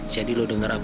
jadi lu dengar apa